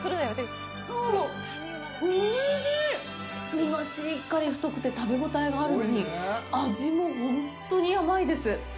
身がしっかり太くて食べ応えがあるのに、味もほんとに甘いです。